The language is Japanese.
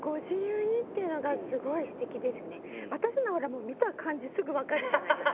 私のはほらもう見た感じすぐ分かるじゃないですか。